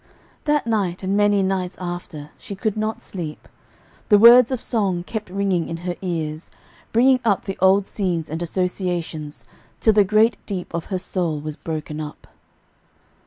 That night, and many nights after, she could not sleep; the words of song kept ringing in her ears, bringing up the old scenes and associations, till the great deep of her soul was broken up.